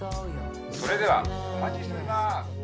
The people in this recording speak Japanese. ☎それではお待ちしております。